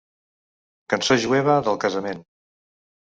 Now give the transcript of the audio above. Cançó jueva del casament.